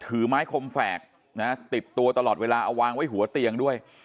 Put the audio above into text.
ถือไม้คมแฝกติดตัวตลอดเวลาเอาวางไว้หัวเตียงด้วย